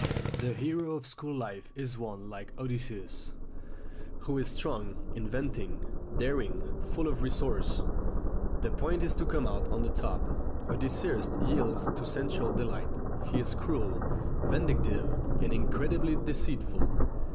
The hero of school life is one like Odysseus, who is strong, inventive, daring, full of resource. The point is to come out on the top. Odysseus yields to sensual delight, he is cruel, vindictive, and incredibly deceitful.